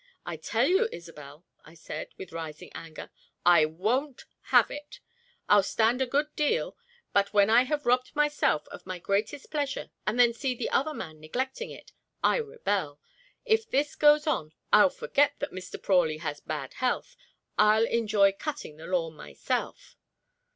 "I tell you, Isobel," I said, with rising anger, "I won't have it! I'll stand a good deal, but when I have robbed myself of my greatest pleasure, and then see the other man neglecting it, I rebel. If this goes on I'll forget that Mr. Prawley has bad health. I'll enjoy cutting the lawn myself!"